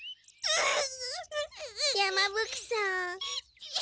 うん。